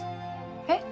えっ？